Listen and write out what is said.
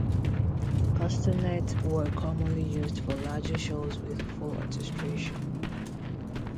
Castanets were commonly used for larger shows with full orchestration.